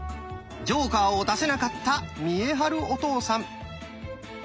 ジョーカーを出せなかった見栄晴お父さん。